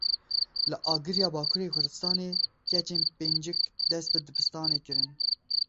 Li Agiriya Bakurê Kurdistanê keçên pêncik dest bi dibistanê kirin.